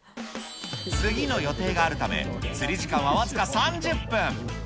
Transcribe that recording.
次の予定があるため、釣り時間は僅か３０分。